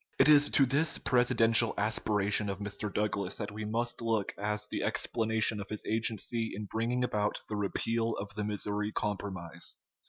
It is to this presidential aspiration of Mr. Douglas that we must look as the explanation of his agency in bringing about the repeal of the Missouri Compromise.